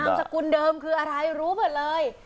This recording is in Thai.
สกุลเดิมคืออะไรรู้หมดเลย